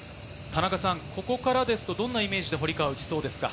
ここからですとどんなイメージで堀川、打ちそうですか？